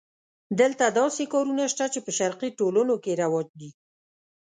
دلته داسې کارونه شته چې په شرقي ټولنو کې رواج دي.